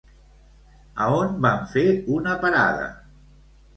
A on van fer una parada?